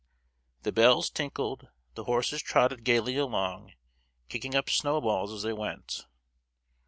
The bells tinkled, the horses trotted gaily along, kicking up snowballs as they went.